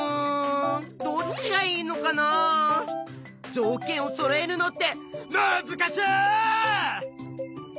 じょうけんをそろえるのってむずかし！